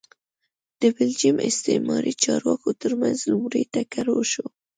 د بلجیم استعماري چارواکو ترمنځ لومړی ټکر وشو